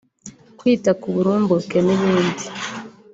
kwita ku burumbuke n’ibindi